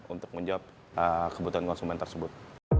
untuk menjawab kebutuhan konsumen tersebut